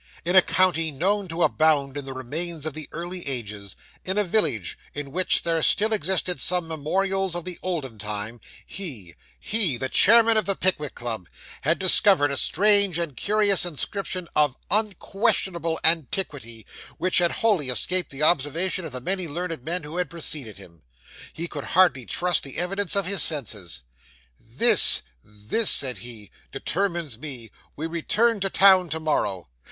In a county known to abound in the remains of the early ages; in a village in which there still existed some memorials of the olden time, he he, the chairman of the Pickwick Club had discovered a strange and curious inscription of unquestionable antiquity, which had wholly escaped the observation of the many learned men who had preceded him. He could hardly trust the evidence of his senses. 'This this,' said he, 'determines me. We return to town to morrow.